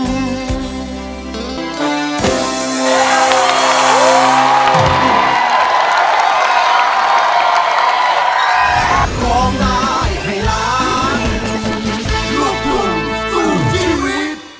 หยดน้ำตา